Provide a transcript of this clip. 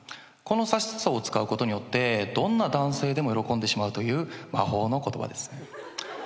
この「さしすせそ」を使うことによってどんな男性でも喜んでしまうという魔法の言葉です。